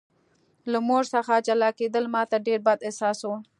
له مور څخه جلا کېدل ماته ډېر بد احساس و